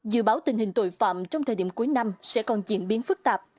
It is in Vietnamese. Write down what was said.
dự báo tình hình tội phạm trong thời điểm cuối năm sẽ còn diễn biến phức tạp